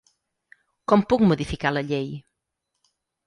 Com puc modificar la llei?